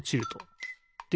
で